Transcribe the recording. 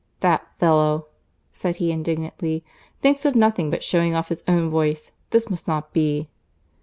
"That fellow," said he, indignantly, "thinks of nothing but shewing off his own voice. This must not be."